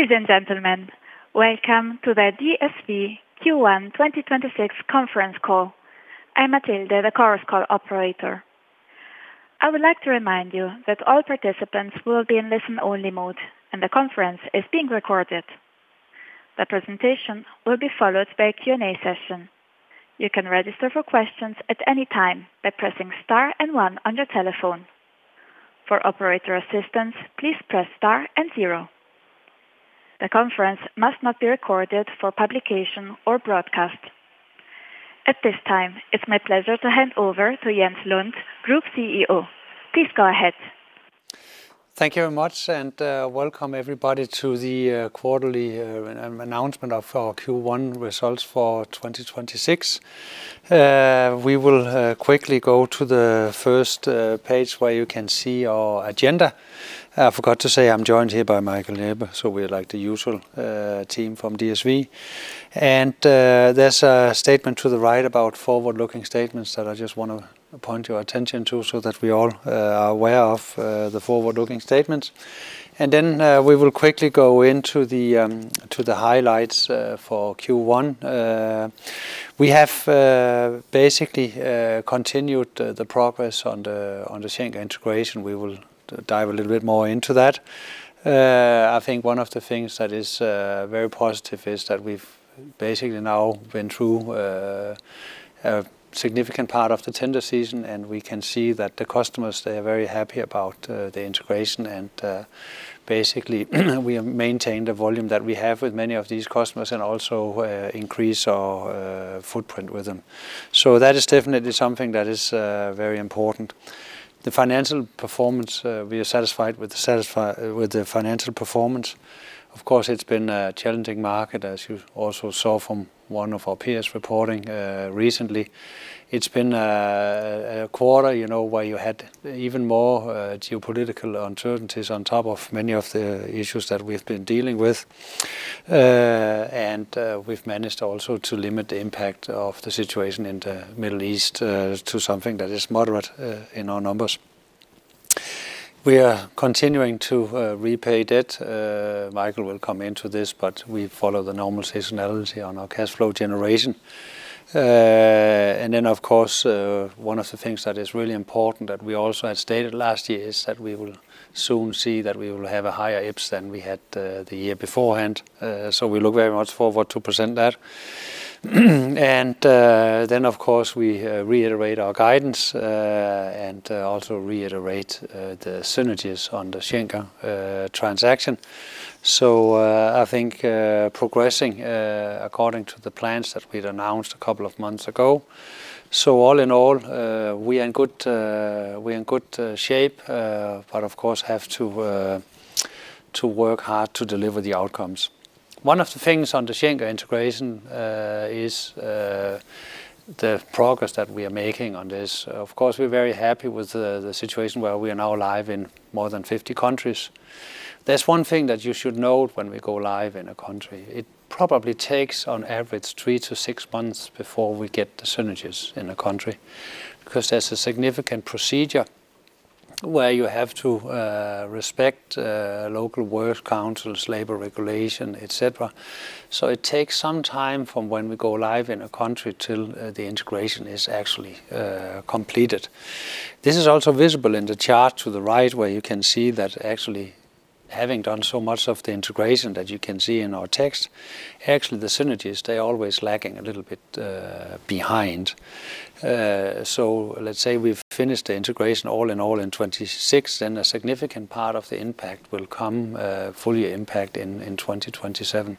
Ladies and gentlemen, welcome to the DSV Q1 2026 conference call. I'm Matilde, the conference call operator. I would like to remind you that all participants will be in listen-only mode, and the conference is being recorded. The presentation will be followed by a Q&A session. You can register for questions at any time by pressing star and one on your telephone. For operator assistance, please press star and zero. The conference must not be recorded for publication or broadcast. At this time, it's my pleasure to hand over to Jens Lund, Group CEO. Please go ahead. Thank you very much, welcome everybody to the quarterly announcement of our Q1 results for 2026. We will quickly go to the first page where you can see our agenda. I forgot to say I'm joined here by Michael Ebbe, so we're like the usual team from DSV. There's a statement to the right about forward-looking statements that I just wanna point your attention to so that we all are aware of the forward-looking statements. We will quickly go to the highlights for Q1. We have basically continued the progress on the Schenker integration. We will dive a little bit more into that. I think one of the things that is very positive is that we've basically now been through a significant part of the tender season, we can see that the customers, they are very happy about the integration. Basically, we have maintained the volume that we have with many of these customers and also increase our footprint with them. That is definitely something that is very important. The financial performance, we are satisfied with the financial performance. It's been a challenging market, as you also saw from one of our peers reporting recently. It's been a quarter, you know, where you had even more geopolitical uncertainties on top of many of the issues that we've been dealing with. We've managed also to limit the impact of the situation in the Middle East to something that is moderate in our numbers. We are continuing to repay debt. Michael will come into this, but we follow the normal seasonality on our cash flow generation. Of course, one of the things that is really important that we also had stated last year is that we will soon see that we will have a higher EPS than we had the year beforehand. We look very much forward to present that. Of course, we reiterate our guidance and also reiterate the synergies on the Schenker transaction. I think progressing according to the plans that we'd announced a couple of months ago. All in all, we are in good shape, but of course, have to work hard to deliver the outcomes. One of the things on the Schenker integration is the progress that we are making on this. Of course, we're very happy with the situation where we are now live in more than 50 countries. There's one thing that you should note when we go live in a country. It probably takes on average three to six months before we get the synergies in a country, because there's a significant procedure where you have to respect local work councils, labor regulation, et cetera. It takes some time from when we go live in a country till the integration is actually completed. This is also visible in the chart to the right where you can see that actually having done so much of the integration that you can see in our text, actually, the synergies, they're always lagging a little bit behind. Let's say we've finished the integration all in all in 2026, then a significant part of the impact will come fully impact in 2027.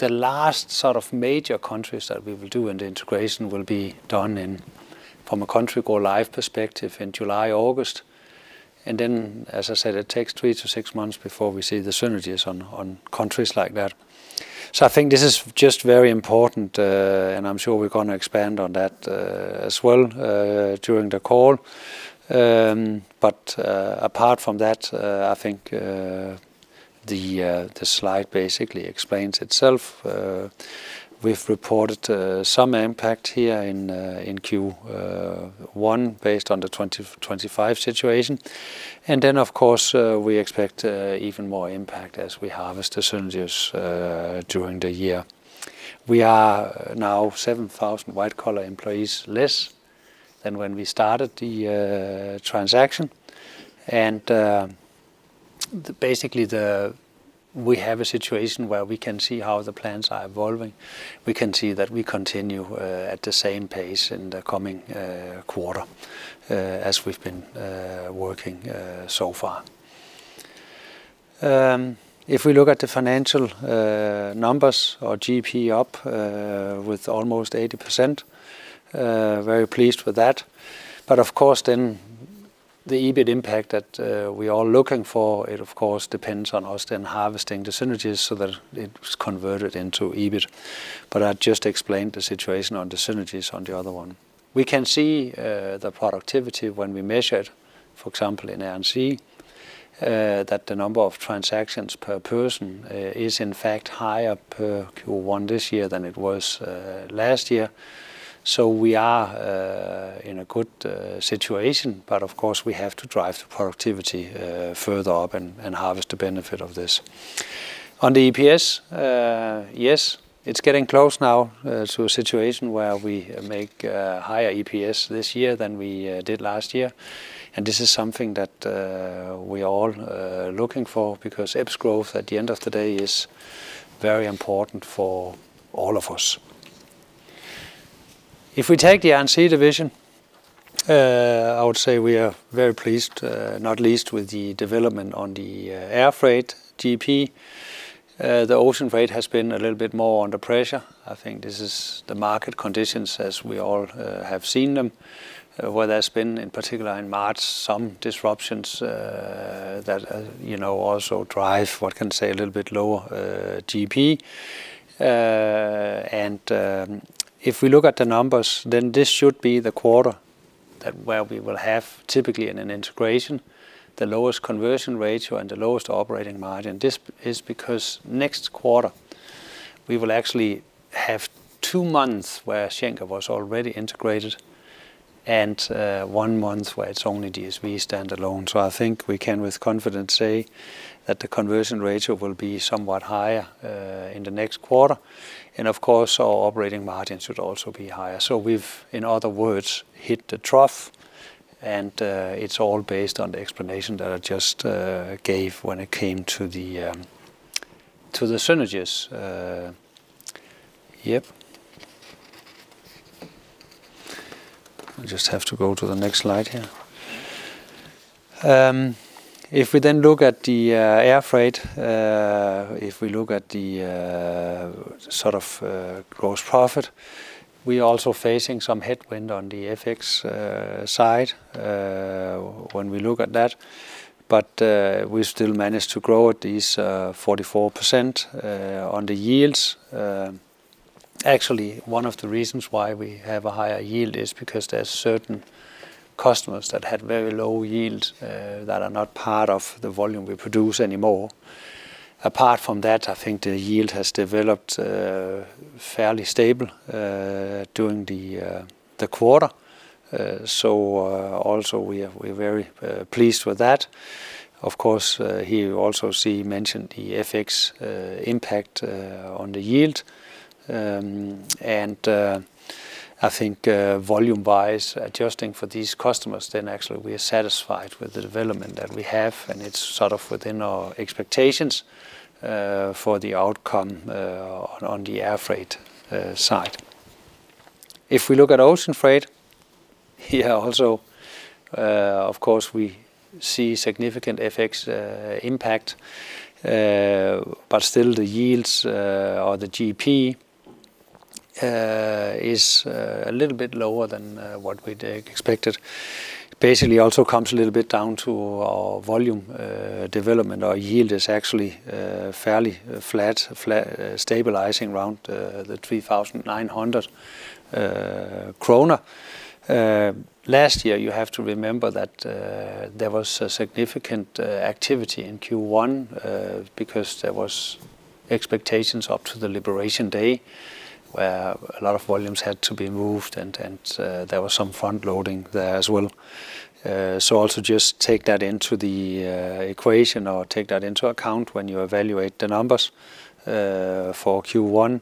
The last sort of major countries that we will do, and the integration will be done in, from a country go-live perspective, in July, August. As I said, it takes three to six months before we see the synergies on countries like that. I think this is just very important, and I'm sure we're gonna expand on that as well during the call. Apart from that, the slide basically explains itself. We've reported some impact here in Q1 based on the 2025 situation. Of course, we expect even more impact as we harvest the synergies during the year. We are now 7,000 white-collar employees less than when we started the transaction. Basically, we have a situation where we can see how the plans are evolving. We can see that we continue at the same pace in the coming quarter as we've been working so far. If we look at the financial numbers or GP up with almost 80%, very pleased with that. Of course, the EBIT impact that we are looking for, it of course depends on us then harvesting the synergies so that it is converted into EBIT. I just explained the situation on the synergies on the other one. We can see the productivity when we measured, for example, in Air & Sea, that the number of transactions per person is in fact higher per Q1 this year than it was last year. We are in a good situation, but of course, we have to drive the productivity further up and harvest the benefit of this. On the EPS, yes, it is getting close now to a situation where we make higher EPS this year than we did last year. This is something that we all looking for because EPS growth at the end of the day is very important for all of us. If we take the Air & Sea division, I would say we are very pleased, not least with the development on the Air Freight GP. The Ocean Freight has been a little bit more under pressure. I think this is the market conditions as we all have seen them, where there's been, in particular in March, some disruptions that, you know, also drive, one can say, a little bit lower GP. If we look at the numbers, then this should be the quarter that where we will have typically in an integration, the lowest conversion rates and the lowest operating margin. This is because next quarter we will actually have two months where Schenker was already integrated and one month where it's only DSV standalone. I think we can with confidence say that the conversion ratio will be somewhat higher in the next quarter. And of course, our operating margins should also be higher. We've, in other words, hit the trough and it's all based on the explanation that I just gave when it came to the synergies. Yep. I just have to go to the next slide here. If we then look at the Air Freight, if we look at the sort of gross profit, we're also facing some headwind on the FX side when we look at that. We still managed to grow at these 44% on the yields. Actually, one of the reasons why we have a higher yield is because there are certain customers that had very low yields, that are not part of the volume we produce anymore. Apart from that, I think the yield has developed fairly stable during the quarter. Also, we're very pleased with that. Of course, here you also see mentioned the FX impact on the yield. I think volume-wise, adjusting for these customers, then actually we are satisfied with the development that we have, and it's sort of within our expectations for the outcome on the Air Freight side. If we look at Ocean Freight, here also, of course, we see significant FX impact. Still the yields, or the GP, is a little bit lower than what we'd expected. Basically, also comes a little bit down to our volume development. Our yield is actually fairly flat, stabilizing around 3,900 kroner. Last year, you have to remember that there was a significant activity in Q1, because there was expectations up to the Liberation Day, where a lot of volumes had to be moved and there was some front-loading there as well. Also just take that into the equation or take that into account when you evaluate the numbers for Q1.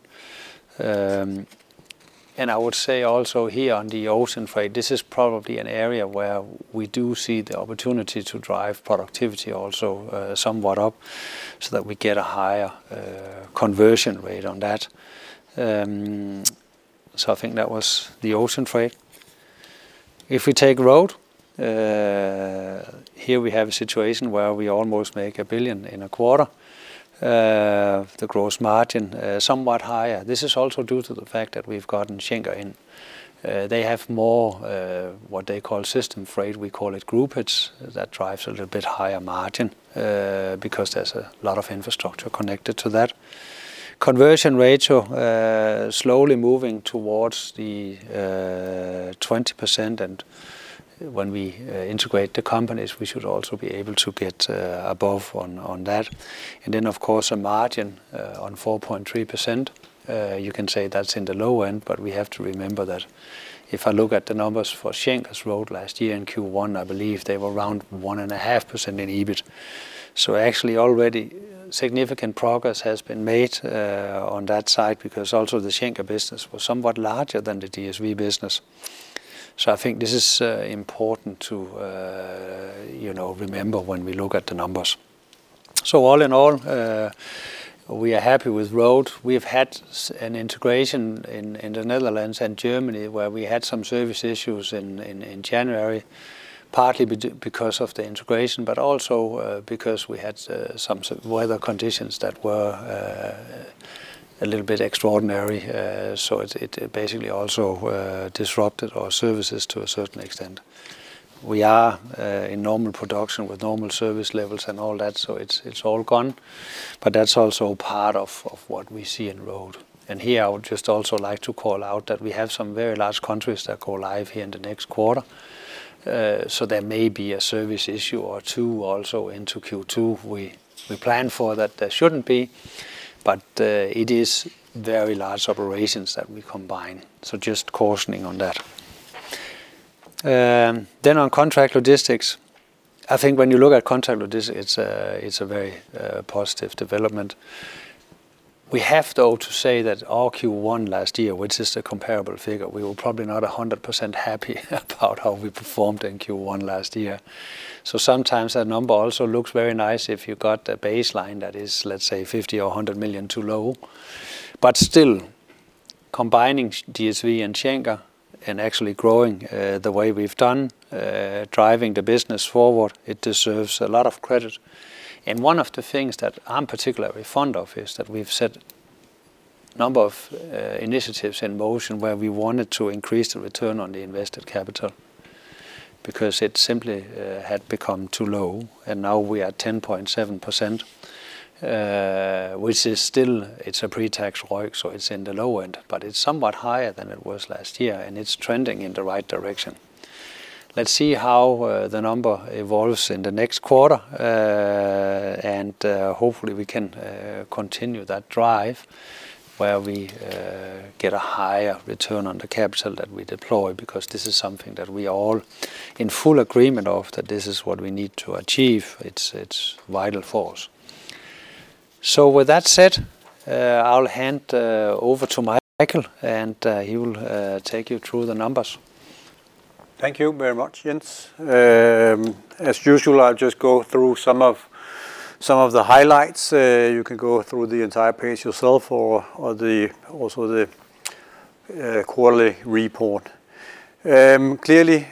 I would say also here on the Ocean Freight, this is probably an area where we do see the opportunity to drive productivity also, somewhat up so that we get a higher conversion rate on that. I think that was the Ocean Freight. If we take Road, here we have a situation where we almost make 1 billion in a quarter. The gross margin, somewhat higher. This is also due to the fact that we've gotten Schenker in. They have more, what they call system freight, we call it groupage, that drives a little bit higher margin, because there's a lot of infrastructure connected to that. Conversion ratio, slowly moving towards the 20%. When we integrate the companies, we should also be able to get above on that. Of course, a margin on 4.3%. You can say that's in the low end, but we have to remember that if I look at the numbers for Schenker's Road last year in Q1, I believe they were around 1.5% in EBIT. Actually already significant progress has been made on that side because also the Schenker business was somewhat larger than the DSV business. I think this is important to, you know, remember when we look at the numbers. All in all, we are happy with Road. We've had an integration in the Netherlands and Germany, where we had some service issues in January, partly because of the integration, but also because we had some weather conditions that were a little bit extraordinary. It basically also disrupted our services to a certain extent. We are in normal production with normal service levels and all that, it's all gone. That's also part of what we see in Road. Here I would just also like to call out that we have some very large countries that go live here in the next quarter. There may be a service issue or 2 also into Q2. We plan for that there shouldn't be, but it is very large operations that we combine. Just cautioning on that. On contract logistics, I think when you look at contract logistics, it's a very positive development. We have, though, to say that our Q1 last year, which is the comparable figure, we were probably not 100% happy about how we performed in Q1 last year. Sometimes that number also looks very nice if you've got a baseline that is, let's say, 50 million or 100 million too low. Still, combining DSV and Schenker and actually growing the way we've done, driving the business forward, it deserves a lot of credit. One of the things that I'm particularly fond of is that we've set number of initiatives in motion where we wanted to increase the return on the invested capital, because it simply had become too low, and now we are at 10.7%, which is still. It's a pre-tax ROIC, so it's in the low end. It's somewhat higher than it was last year, and it's trending in the right direction. Let's see how the number evolves in the next quarter. Hopefully we can continue that drive where we get a higher return on the capital that we deploy, because this is something that we are all in full agreement of, that this is what we need to achieve. It's vital for us. With that said, I'll hand over to Michael, and he will take you through the numbers. Thank you very much, Jens. As usual, I'll just go through some of, some of the highlights. You can go through the entire page yourself or the, also the quarterly report. Clearly,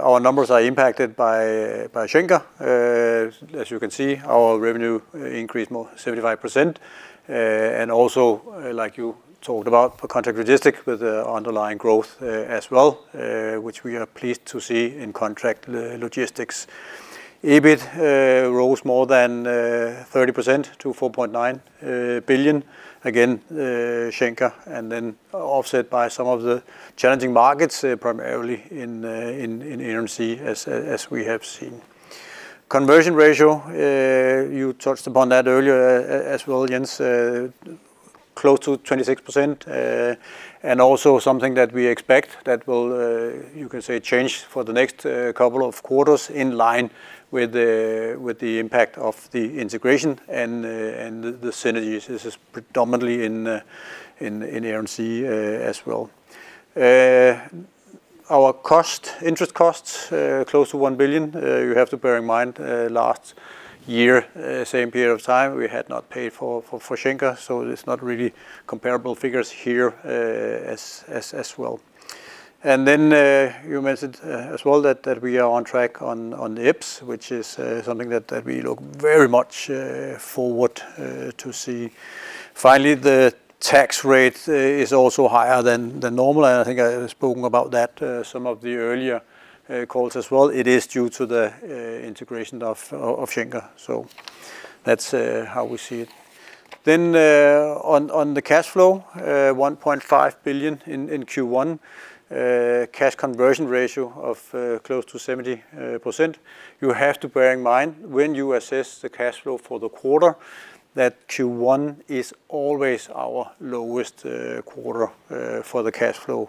our numbers are impacted by Schenker. As you can see, our revenue increased more 75%. And also, like you talked about for contract logistics, with the underlying growth as well, which we are pleased to see in contract logistics. EBIT rose more than 30% to 4.9 billion. Again, Schenker and then offset by some of the challenging markets, primarily in Air & Sea as we have seen. Conversion ratio, you touched upon that earlier as well, Jens, close to 26%, and also something that we expect that will, you can say, change for the next couple of quarters in line with the, with the impact of the integration and the synergies. This is predominantly in Air & Sea, as well. Our cost, interest costs, close to 1 billion. You have to bear in mind, last year, same period of time, we had not paid for Schenker, so it's not really comparable figures here, as well. You mentioned as well that we are on track on EPS, which is something that we look very much forward to see. Finally, the tax rate is also higher than normal, and I think I have spoken about that some of the earlier calls as well. It is due to the integration of Schenker. That's how we see it. On the cash flow, 1.5 billion in Q1. Cash conversion ratio of close to 70%. You have to bear in mind when you assess the cash flow for the quarter, that Q1 is always our lowest quarter for the cash flow.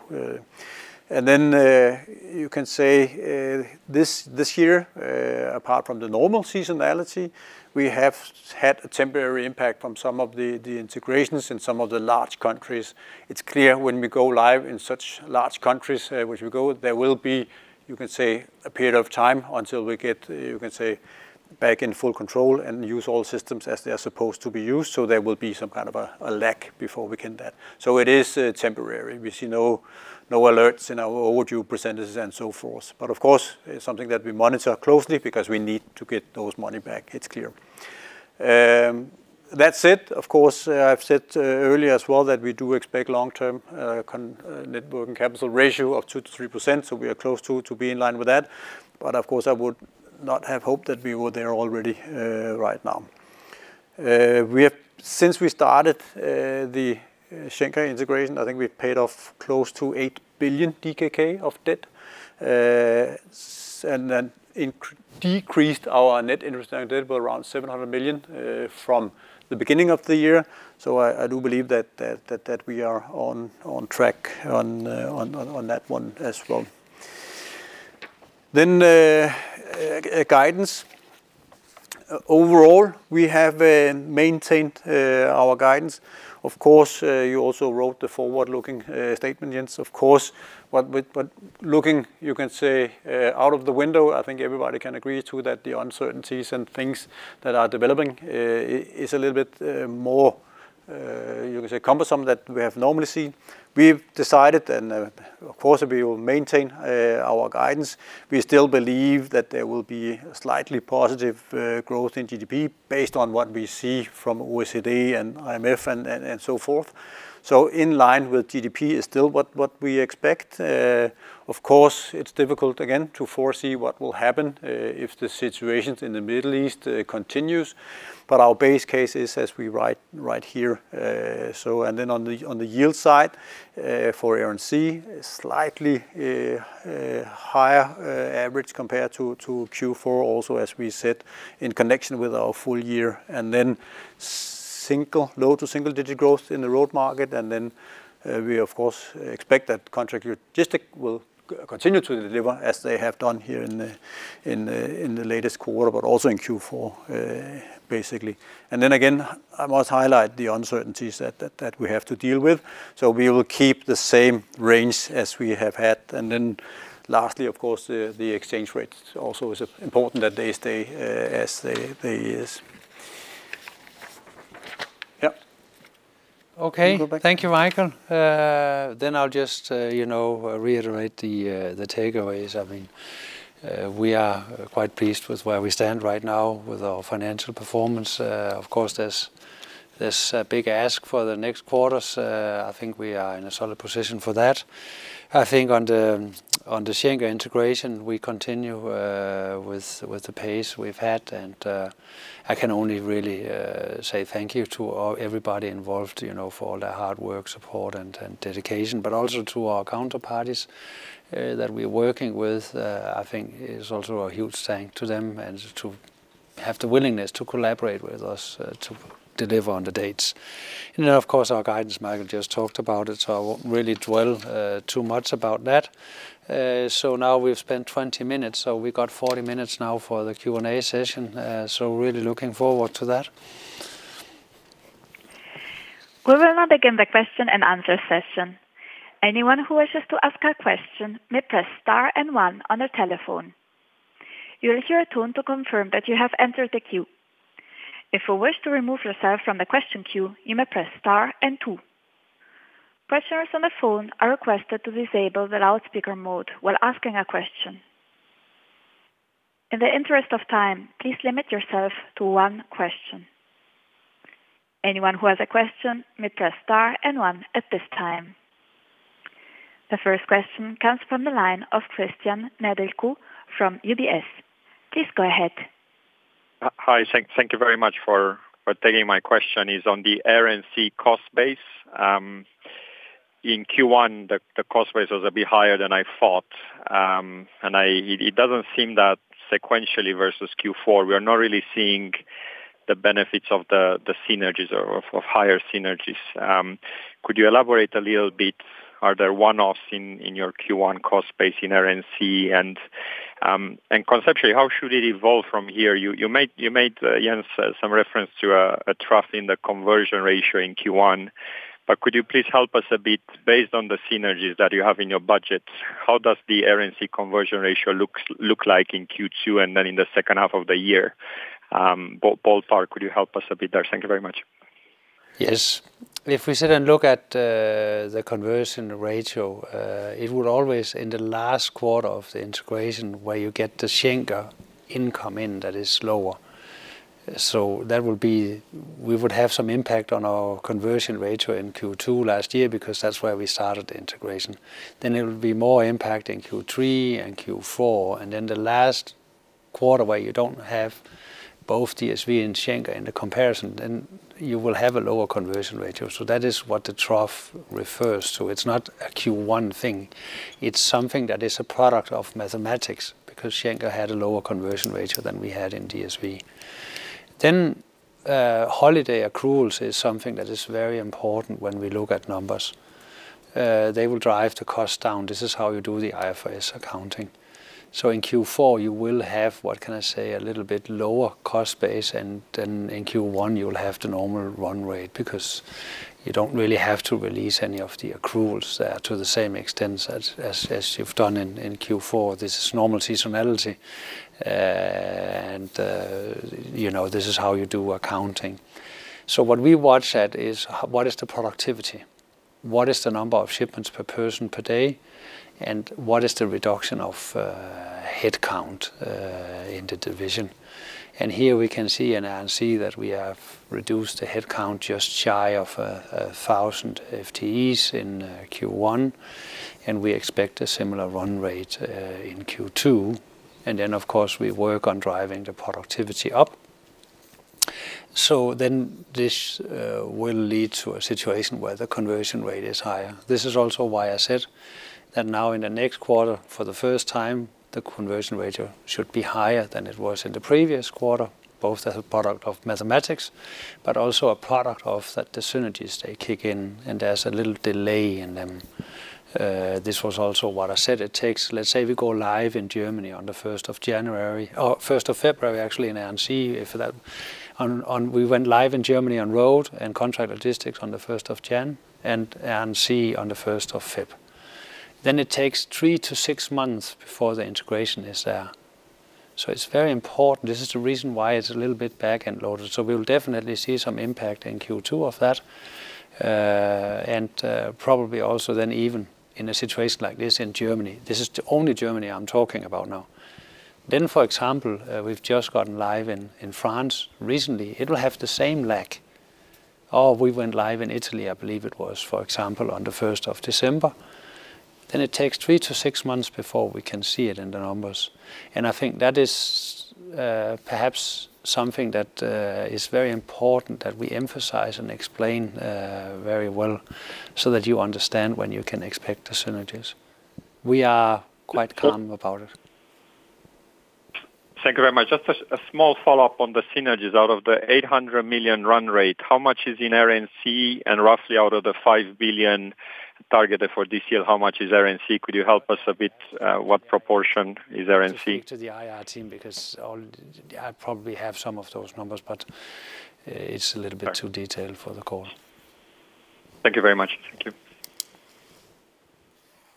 You can say this year, apart from the normal seasonality, we have had a temporary impact from some of the integrations in some of the large countries. It's clear when we go live in such large countries, which we go, there will be a period of time until we get back in full control and use all systems as they are supposed to be used. There will be some kind of a lack before we can that. It is temporary. We see no alerts in our overdue percentages and so forth. Of course, it's something that we monitor closely because we need to get those money back. It's clear. That said, of course, I've said earlier as well that we do expect long-term net working capital ratio of 2%-3%, so we are close to be in line with that. Of course, I would not have hoped that we were there already right now. We have... Since we started, the Schenker integration, I think we've paid off close to 8 billion DKK of debt decreased our net interest and debt by around 700 million from the beginning of the year. I do believe that we are on track on that one as well. Guidance. Overall, we have maintained our guidance. Of course, you also wrote the forward-looking statement, Jens. Of course, looking, you can say, out of the window, I think everybody can agree too that the uncertainties and things that are developing is a little bit more, you could say, cumbersome that we have normally seen. We've decided, and of course we will maintain our guidance. We still believe that there will be slightly positive growth in GDP based on what we see from OECD and IMF and so forth. In line with GDP is still what we expect. Of course, it's difficult, again, to foresee what will happen if the situations in the Middle East continues. Our base case is as we write here. On the yield side, for Air & Sea, slightly higher average compared to Q4, also as we said in connection with our full-year. Single, low to single-digit growth in the Road market. We of course expect that contract logistics will continue to deliver as they have done here in the latest quarter, but also in Q4, basically. Again, I must highlight the uncertainties that we have to deal with. We will keep the same range as we have had. Lastly, of course, the exchange rates also is important that they stay as they is. Yeah. Okay. You go back. Thank you, Michael. I'll just, you know, reiterate the takeaways. I mean, we are quite pleased with where we stand right now with our financial performance. Of course, there's a big ask for the next quarters. I think we are in a solid position for that. I think on the Schenker integration, we continue with the pace we've had. I can only really say thank you to all, everybody involved, you know, for all their hard work, support and dedication. Also to our counterparties that we're working with, I think is also a huge thank to them and to have the willingness to collaborate with us to deliver on the dates. Of course, our guidance, Michael just talked about it, so I won't really dwell too much about that. Now we've spent 20 minutes, so we got 40 minutes now for the Q&A session. Really looking forward to that. We will now begin the question-and-answer session. Anyone who wishes to ask a question may press star and one on the telephone. You will hear a tone to confirm that you have entered the queue. If you wish to remove yourself from the question queue you may press star and two. Questions from the phone are requested to disable the loud speaker mode while asking a question. In the interest of time please limit yourself to one question. Anyone who has a question may press star and one at this time. The first question comes from the line of Cristian Nedelcu from UBS. Please go ahead. Hi, thank you very much for taking my question. Is on the Air & Sea cost base. In Q1, the cost base was a bit higher than I thought. It doesn't seem that sequentially versus Q4, we are not really seeing the benefits of the synergies or of higher synergies. Could you elaborate a little bit, are there one-offs in your Q1 cost base in Air & Sea? Conceptually, how should it evolve from here? You made Jens some reference to a trough in the conversion ratio in Q1. Could you please help us a bit based on the synergies that you have in your budget, how does the Air & Sea conversion ratio look like in Q2 and then in the second half of the year? Ballpark, could you help us a bit there? Thank you very much. Yes. If we sit and look at the conversion ratio, it will always in the last quarter of the integration where you get the Schenker income in that is lower. We would have some impact on our conversion ratio in Q2 last year because that's where we started the integration. It would be more impact in Q3 and Q4. The last quarter where you don't have both DSV and Schenker in the comparison, then you will have a lower conversion ratio. That is what the trough refers to. It's not a Q1 thing. It's something that is a product of mathematics, because Schenker had a lower conversion ratio than we had in DSV. Holiday accruals is something that is very important when we look at numbers. They will drive the cost down. This is how you do the IFRS accounting. In Q4, you will have a little bit lower cost base, then in Q1, you'll have the normal run rate, because you don't really have to release any of the accruals there to the same extent as you've done in Q4. This is normal seasonality. You know, this is how you do accounting. What we watch at is what is the productivity? What is the number of shipments per person per day? What is the reduction of headcount in the division? Here we can see in Air & Sea that we have reduced the headcount just shy of 1,000 FTEs in Q1, and we expect a similar run rate in Q2. Then, of course, we work on driving the productivity up. This will lead to a situation where the conversion rate is higher. This is also why I said that now in the next quarter, for the first time, the conversion ratio should be higher than it was in the previous quarter, both as a product of mathematics, but also a product of that the synergies, they kick in and there's a little delay in them. This was also what I said it takes. Let's say we go live in Germany on the 1st of January or 1st of February, actually, in Air & Sea. We went live in Germany on Road and contract logistics on the 1st of January and Air & Sea on the 1st of February. It takes three to six months before the integration is there. It's very important. This is the reason why it's a little bit back-end loaded. We'll definitely see some impact in Q2 of that. Probably also then even in a situation like this in Germany. This is only Germany I'm talking about now. For example, we've just gotten live in France recently. It will have the same lag. We went live in Italy, I believe it was, for example, on the 1st of December. It takes three to six months before we can see it in the numbers. I think that is perhaps something that is very important that we emphasize and explain very well so that you understand when you can expect the synergies. We are quite calm about it. Thank you very much. Just a small follow-up on the synergies. Out of the 800 million run rate, how much is in RNC? Roughly out of the 5 billion targeted for this year, how much is RNC? Could you help us a bit, what proportion is RNC? To speak to the IR team. I probably have some of those numbers. It's a little bit too detailed for the call. Thank you very much. Thank you.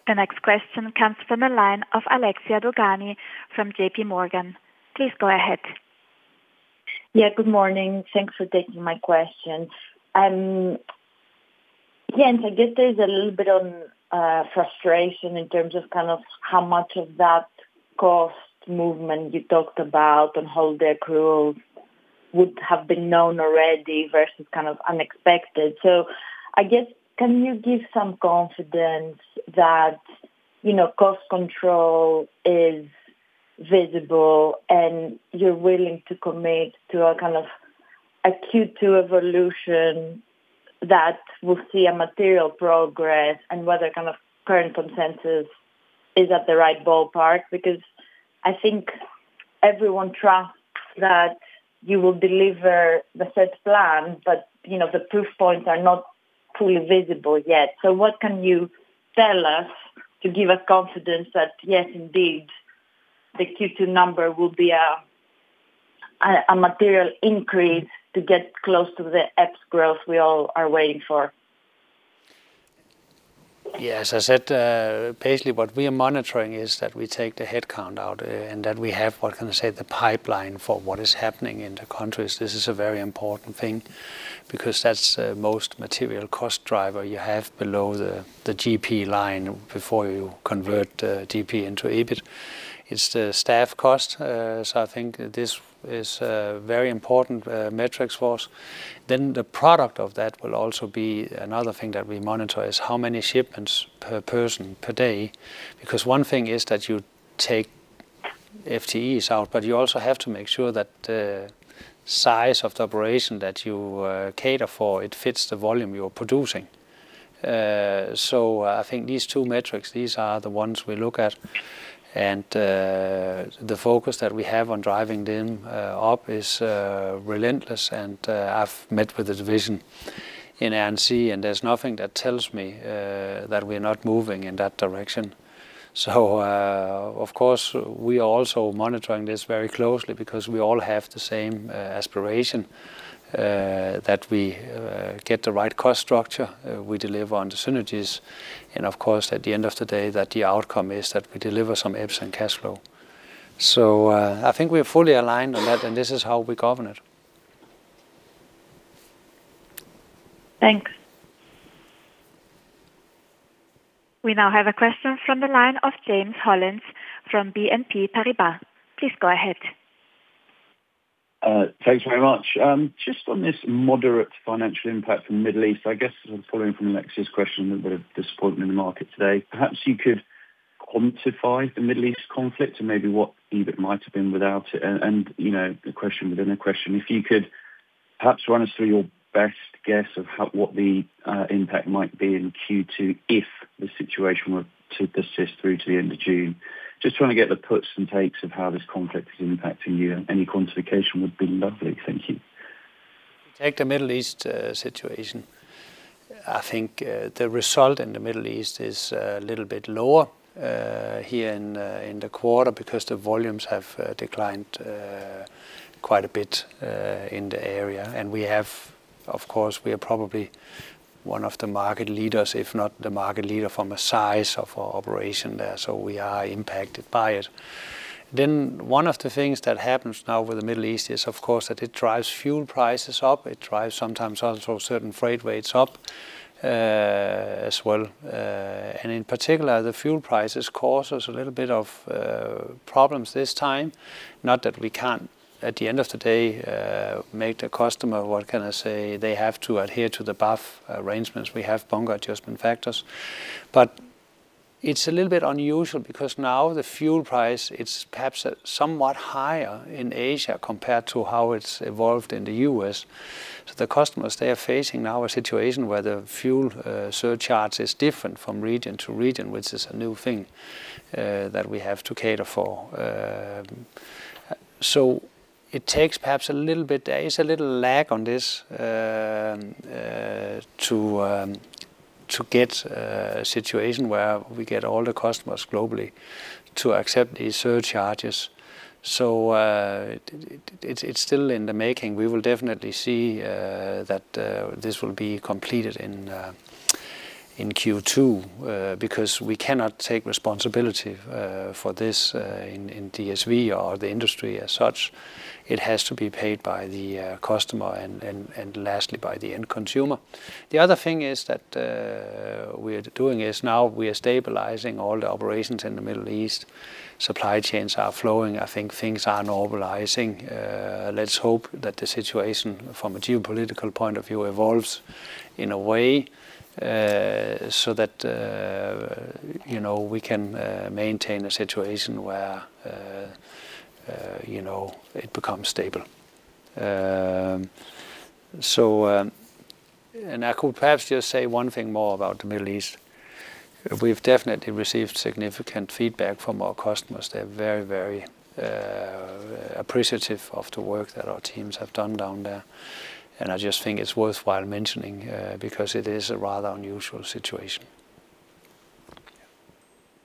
The next question comes from the line of Alexia Dogani from J.P. Morgan. Please go ahead. Yeah. Good morning. Thanks for taking my question. Yeah, I guess there's a little bit on frustration in terms of kind of how much of that cost movement you talked about and holiday accrual would have been known already versus kind of unexpected. I guess, can you give some confidence that, you know, cost control is visible, and you're willing to commit to a kind of a Q2 evolution that will see a material progress and whether kind of current consensus is at the right ballpark? I think everyone trusts that you will deliver the set plan, but, you know, the proof points are not fully visible yet. What can you tell us to give us confidence that yes, indeed, the Q2 number will be a material increase to get close to the EPS growth we all are waiting for? Yeah. As I said, basically, what we are monitoring is that we take the headcount out, and that we have, what can I say, the pipeline for what is happening in the countries. This is a very important thing because that's the most material cost driver you have below the GP line before you convert GP into EBIT. It's the staff cost. I think this is a very important metrics for us. The product of that will also be another thing that we monitor, is how many shipments per person per day. Because one thing is that you take FTEs out, but you also have to make sure that the size of the operation that you cater for, it fits the volume you're producing. I think these two metrics, these are the ones we look at. The focus that we have on driving them up is relentless. I've met with the division in Air & Sea, and there's nothing that tells me that we're not moving in that direction. Of course, we are also monitoring this very closely because we all have the same aspiration that we get the right cost structure, we deliver on the synergies, and of course, at the end of the day, that the outcome is that we deliver some EPS and cash flow. I think we're fully aligned on that, and this is how we govern it. Thanks. We now have a question from the line of James Hollands from BNP Paribas. Please go ahead. Thanks very much. Just on this moderate financial impact from Middle East, I guess following from Alexia's question, a bit of disappointment in the market today. Perhaps you could quantify the Middle East conflict and maybe what EBIT might have been without it. You know, the question within a question, if you could perhaps run us through your best guess of what the impact might be in Q2 if the situation were to persist through to the end of June? Just trying to get the puts and takes of how this conflict is impacting you. Any quantification would be lovely. Thank you. Take the Middle East situation. I think the result in the Middle East is a little bit lower here in the quarter because the volumes have declined quite a bit in the area. Of course, we are probably one of the market leaders, if not the market leader from a size of our operation there. We are impacted by it. One of the things that happens now with the Middle East is, of course, that it drives fuel prices up. It drives sometimes also certain freight rates up as well. In particular, the fuel prices cause us a little bit of problems this time. Not that we can't, at the end of the day, make the customer, what can I say? They have to adhere to the BAF arrangements. We have Bunker Adjustment Factors. It's a little bit unusual because now the fuel price, it's perhaps somewhat higher in Asia compared to how it's evolved in the U.S. The customers, they are facing now a situation where the fuel surcharge is different from region to region, which is a new thing that we have to cater for. There is a little lag on this to get a situation where we get all the customers globally to accept these surcharges. It's still in the making. We will definitely see that this will be completed in Q2 because we cannot take responsibility for this in DSV or the industry as such. It has to be paid by the customer and lastly by the end consumer. The other thing is that we are doing is now we are stabilizing all the operations in the Middle East. Supply chains are flowing. I think things are normalizing. Let's hope that the situation from a geopolitical point of view evolves in a way so that, you know, we can maintain a situation where, you know, it becomes stable. I could perhaps just say one thing more about the Middle East. We've definitely received significant feedback from our customers. They're very appreciative of the work that our teams have done down there. I just think it's worthwhile mentioning because it is a rather unusual situation.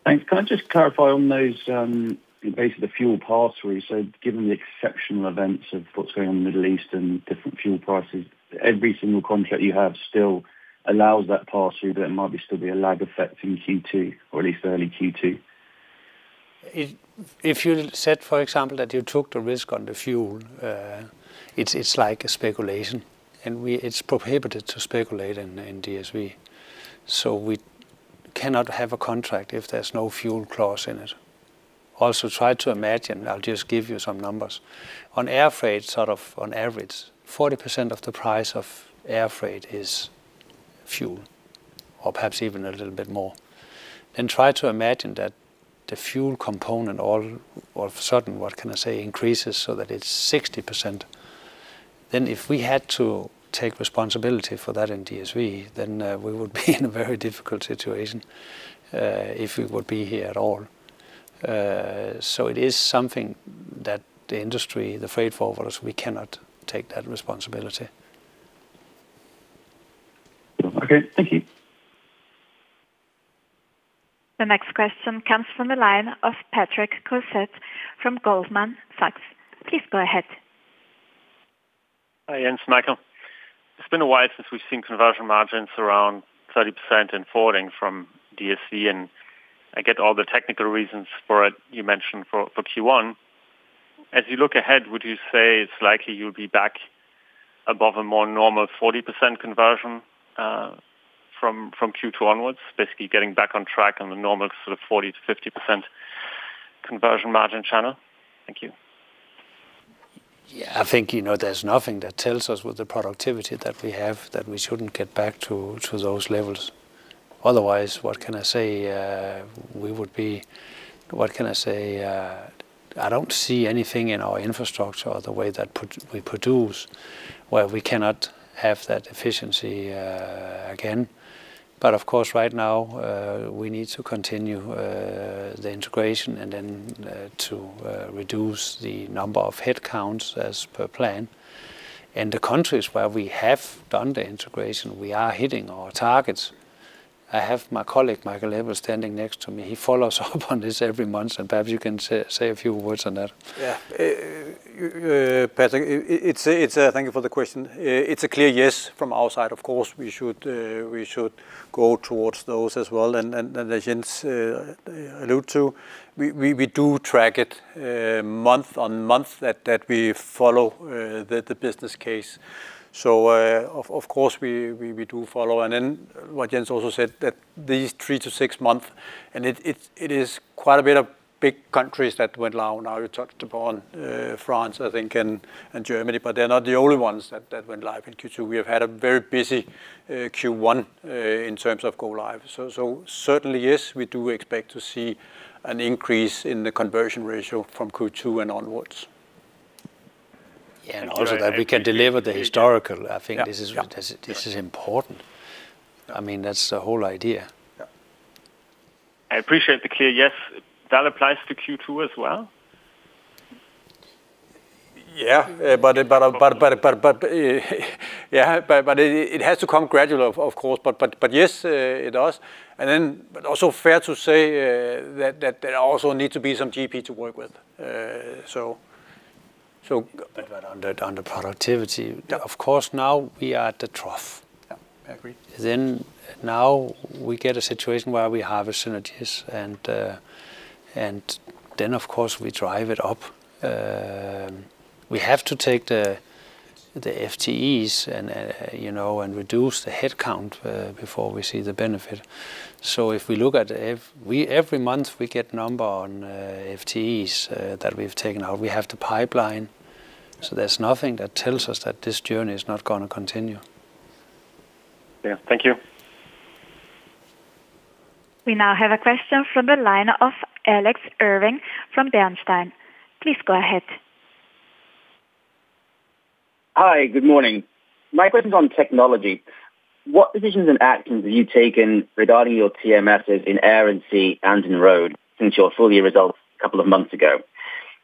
Thanks. Can I just clarify on those, basically the fuel pass-throughs. Given the exceptional events of what's going on in the Middle East and different fuel prices, every single contract you have still allows that pass-through, but it might be still be a lag effect in Q2 or at least early Q2? If you said, for example, that you took the risk on the fuel, it's like a speculation, it's prohibited to speculate in DSV. We cannot have a contract if there's no fuel clause in it. Try to imagine, I'll just give you some numbers. On Air Freight, sort of on average, 40% of the price of Air Freight is fuel, or perhaps even a little bit more. Try to imagine that the fuel component all of a sudden, what can I say, increases so that it's 60%. If we had to take responsibility for that in DSV, we would be in a very difficult situation, if we would be here at all. It is something that the industry, the freight forwarders, we cannot take that responsibility. Okay. Thank you. The next question comes from the line of Patrick Cossette from Goldman Sachs. Please go ahead. Hi, Jens, Michael. It's been a while since we've seen conversion margins around 30% in forwarding from DSV, and I get all the technical reasons for it you mentioned for Q1. As you look ahead, would you say it's likely you'll be back above a more normal 40% conversion from Q2 onwards, basically getting back on track on the normal sort of 40%-50% conversion margin channel? Thank you. Yeah. I think, you know, there's nothing that tells us with the productivity that we have that we shouldn't get back to those levels. Otherwise, what can I say? What can I say? I don't see anything in our infrastructure or the way that we produce where we cannot have that efficiency again. Of course, right now, we need to continue the integration and then to reduce the number of headcounts as per plan. In the countries where we have done the integration, we are hitting our targets. I have my colleague, Michael Ebbe, standing next to me. He follows up on this every month, and perhaps you can say a few words on that. Yeah. Patrick, thank you for the question. It's a clear yes from our side. Of course, we should go towards those as well. As Jens Lund allude to, we do track it month-on-month that we follow the business case. Of course, we do follow. What Jens Lund also said, that these three to six months, it is quite a bit of big countries that went live now. You touched upon France, I think, and Germany, they're not the only ones that went live in Q2. We have had a very busy Q1 in terms of go live. Certainly, yes, we do expect to see an increase in the conversion ratio from Q2 and onwards. Yeah. Also that we can deliver the historical. Yeah. Yeah. I think this is important. I mean, that's the whole idea. Yeah. I appreciate the clear yes. That applies to Q2 as well? Yeah. But, yeah. But it has to come gradual of course, but yes, it does. Then also fair to say that there also need to be some GP to work with. So. On the productivity. Of course, now we are at the trough. Yeah. Agreed. Now we get a situation where we have synergies and then, of course, we drive it up. We have to take the FTEs and, you know, and reduce the head count before we see the benefit. If we look at the every month we get number on FTEs that we've taken out. We have the pipeline. There's nothing that tells us that this journey is not gonna continue. Yeah. Thank you. We now have a question from the line of Alex Irving from Bernstein. Please go ahead. Hi. Good morning. My question's on technology. What decisions and actions have you taken regarding your TMSs in Air & Sea and in Road since your full-year results a couple of months ago?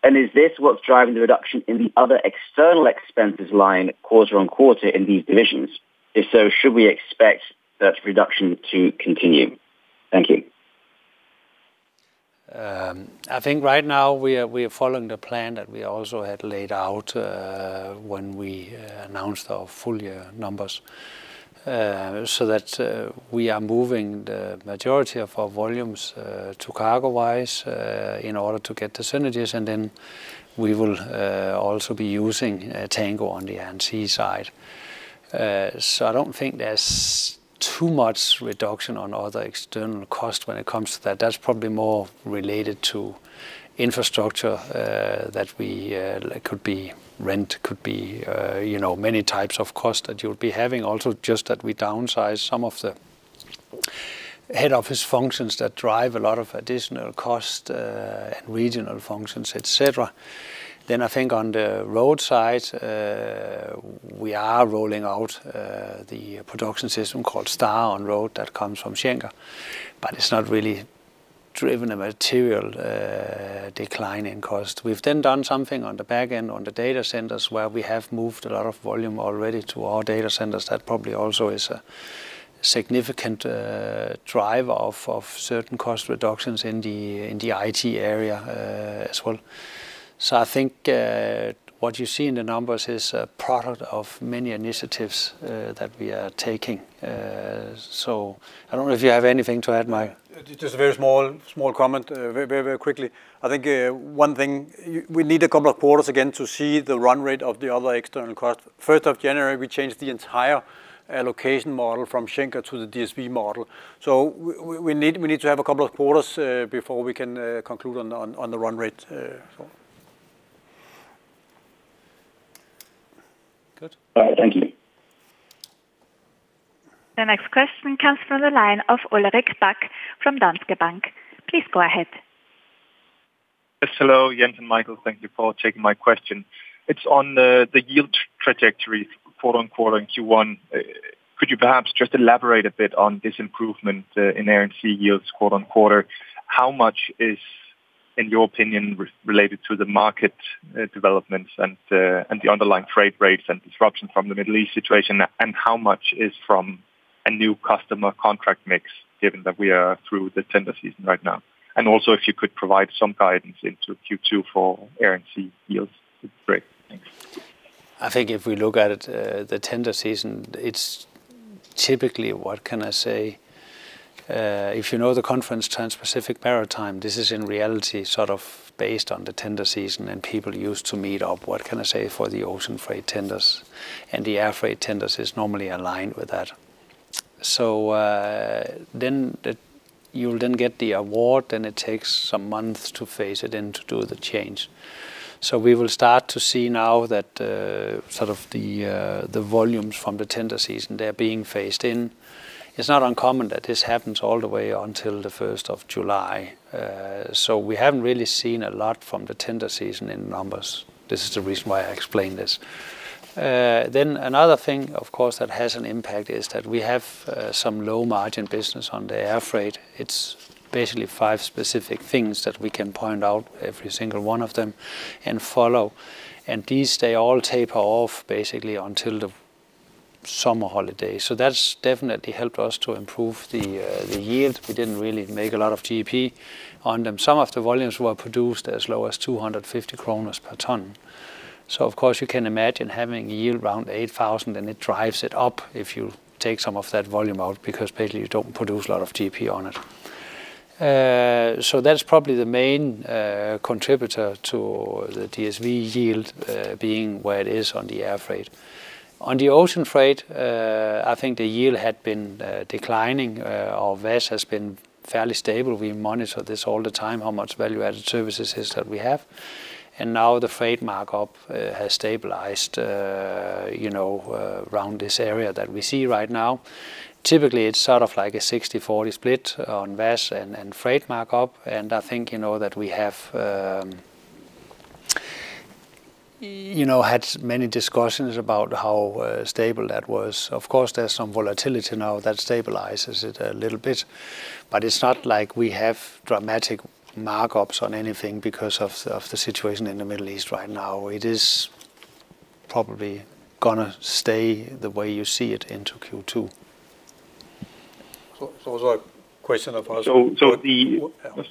Is this what's driving the reduction in the other external expenses line quarter on quarter in these divisions? If so, should we expect that reduction to continue? Thank you. I think right now we are following the plan that we also had laid out when we announced our full-year numbers. That we are moving the majority of our volumes to CargoWise in order to get the synergies, and then we will also be using Tango on the NC side. I don't think there's too much reduction on other external costs when it comes to that. That's probably more related to infrastructure that we. It could be rent, could be, you know, many types of costs that you'll be having. Also, just that we downsize some of the Head office functions that drive a lot of additional cost and regional functions, et cetera. I think on the road side, we are rolling out the production system called StarOnRoad that comes from Schenker, but it's not really driven a material decline in cost. We've then done something on the back end on the data centers where we have moved a lot of volume already to our data centers. That probably also is a significant drive of certain cost reductions in the IT area as well. I think what you see in the numbers is a product of many initiatives that we are taking. I don't know if you have anything to add, Michael. Just a very small comment. Very quickly. I think one thing, we need a couple of quarters again to see the run rate of the other external cost. First of January, we changed the entire allocation model from Schenker to the DSV model. We need to have a couple of quarters before we can conclude on the run rate. Good. All right. Thank you. The next question comes from the line of Ulrik Bak from Danske Bank. Please go ahead. Yes. Hello, Jens and Michael. Thank you for taking my question. It's on the yield trajectory quarter-on-quarter in Q1. Could you perhaps just elaborate a bit on this improvement in Air & Sea yields quarter-on-quarter? How much is, in your opinion, related to the market developments and the underlying trade rates and disruption from the Middle East situation? How much is from a new customer contract mix given that we are through the tender season right now? Also if you could provide some guidance into Q2 for Air & Sea yields, it'd be great. Thanks. I think if we look at it, the tender season, it's typically, if you know the conference Transpacific Maritime, this is in reality sort of based on the tender season, and people used to meet up for the Ocean Freight tenders, and the Air Freight tenders is normally aligned with that. Then, you'll then get the award, and it takes some months to phase it in to do the change. We will start to see now that, sort of the volumes from the tender season, they're being phased in. It's not uncommon that this happens all the way until the first of July. We haven't really seen a lot from the tender season in numbers. This is the reason why I explained this. Then another thing, of course, that has an impact is that we have some low-margin business on the air freight. It's basically five specific things that we can point out every single one of them and follow. These, they all taper off basically until the summer holiday. That's definitely helped us to improve the yield. We didn't really make a lot of GP on them. Some of the volumes were produced as low as 250 kroner per ton. Of course you can imagine having yield around 8,000 and it drives it up if you take some of that volume out because basically you don't produce a lot of GP on it. That's probably the main contributor to the DSV yield being where it is on the air freight. On the Ocean Freight, I think the yield had been declining. Our VAS has been fairly stable. We monitor this all the time, how much value-added services is that we have. Now the freight markup has stabilized, you know, around this area that we see right now. Typically, it's sort of like a 60/40 split on VAS and freight markup. I think, you know, that we have, you know, had many discussions about how stable that was. Of course, there's some volatility now that stabilizes it a little bit, but it's not like we have dramatic markups on anything because of the situation in the Middle East right now. It is probably gonna stay the way you see it into Q2. It's a question of. So, so the- What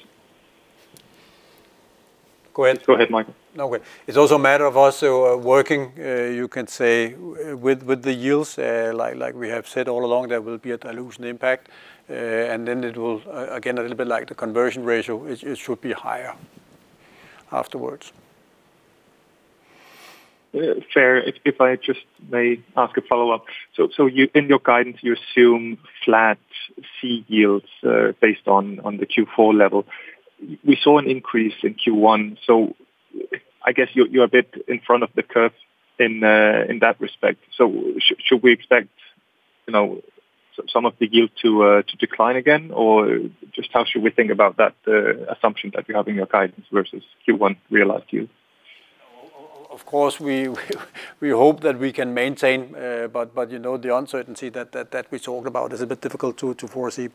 else? Go ahead. Go ahead, Michael. No, go ahead. It is also a matter of us who are working, you can say, with the yields. Like we have said all along, there will be a dilution impact. Then it will again, a little bit like the conversion ratio, it should be higher afterwards. Fair. If I just may ask a follow-up. You, in your guidance, you assume flat sea yields, based on the Q4 level. We saw an increase in Q1, so I guess you're a bit in front of the curve in that respect. Should we expect, you know, some of the yield to decline again? Just how should we think about that assumption that you have in your guidance versus Q1 realized yield? Of course, we hope that we can maintain. You know, the uncertainty that we talk about is a bit difficult to foresee.